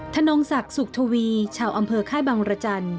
นงศักดิ์สุขทวีชาวอำเภอค่ายบังรจันทร์